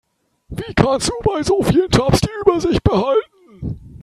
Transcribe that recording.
Wie kannst du bei so vielen Tabs die Übersicht behalten?